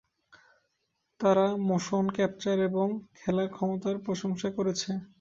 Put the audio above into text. তারা motion capture এবং খেলার ক্ষমতার প্রশংসা করেছে।